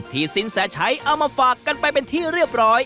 สินแสชัยเอามาฝากกันไปเป็นที่เรียบร้อย